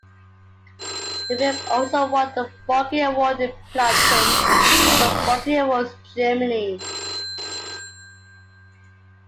The film also won the Bogey Award in Platin from the Bogey Awards, Germany.